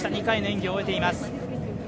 ２回の演技を終えています。